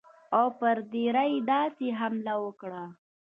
او پر دیر یې داسې حمله وکړه.